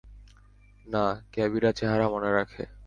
না, ক্যাবিরা চেহারা মনে রাখে।